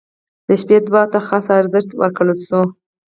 • د شپې دعا ته خاص ارزښت ورکړل شوی.